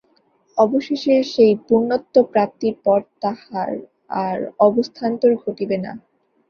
অবশেষে সেই পূর্ণত্ব-প্রাপ্তির পর তাহার আর অবস্থান্তর ঘটিবে না।